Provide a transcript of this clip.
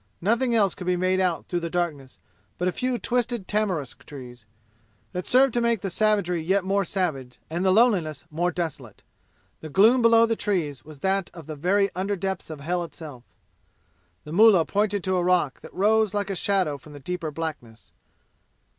Nothing else could be made out through the darkness but a few twisted tamarisk trees, that served to make the savagery yet more savage and the loneliness more desolate. The gloom below the trees was that of the very underdepths of hell itself. The mullah pointed to a rock that rose like a shadow from the deeper blackness.